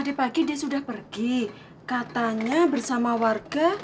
dia pergi katanya bersama warga